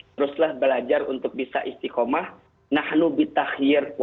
teruslah belajar untuk bisa istiqomah